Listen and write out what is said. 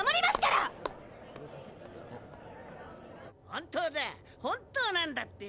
本当だ本当なんだって。